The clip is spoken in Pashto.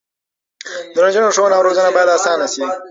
د نجونو ښوونه او روزنه باید اسانه شي.